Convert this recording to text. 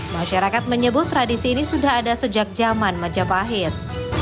masyarakat menyebut tradisi ini sudah ada sejak zaman majapahit